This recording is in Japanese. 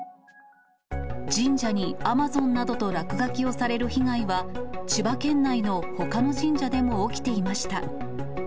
神社にＡｍａｚｏｎなどと落書きをされる被害は、千葉県内のほかの神社でも起きていました。